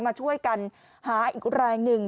มาช่วยกันหาอีกแรงหนึ่ง